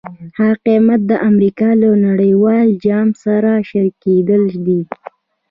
هغه قیمت د امریکا له نړیوال جال سره شریکېدل دي.